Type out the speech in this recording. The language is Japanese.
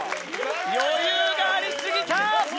余裕があり過ぎた！